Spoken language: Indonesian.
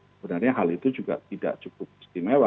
sebenarnya hal itu juga tidak cukup istimewa